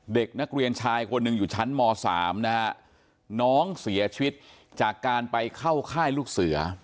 เด็กนักเรียนชายคนหนึ่งอยู่ชั้นม๓นะฮะน้องเสียชีวิตจากการไปเข้าค่ายลูกเสือ